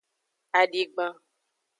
Adigban.